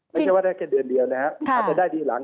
ไม่ใช่ว่าได้แค่เดือนเดียวนะครับอาจจะได้ทีหลัง